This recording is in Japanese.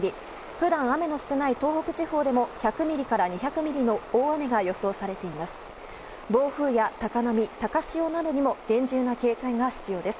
普段、雨が少ない東北地方でも１００ミリから２００ミリの大雨が予想されています。